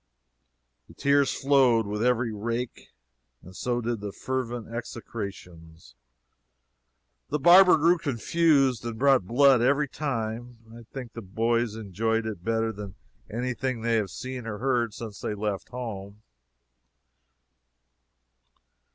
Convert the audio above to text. The tears flowed with every rake, and so did the fervent execrations. The barber grew confused, and brought blood every time. I think the boys enjoyed it better than any thing they have seen or heard since they left home.